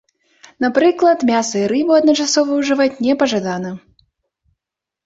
Напрыклад, мяса і рыбу адначасова ўжываць непажадана.